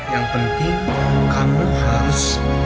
yang penting kamu harus tetap optimis